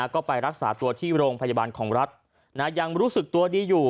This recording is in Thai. ก็ไปรักษาตัวที่โรงพยาบาลของรัฐยังรู้สึกตัวดีอยู่